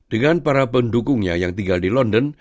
dengan para pendukungnya yang tinggal di london